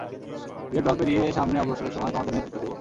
Great Wall পেরিয়ে সামনে অগ্রসরের সময় তোমাদের নেতৃত্ব দেব!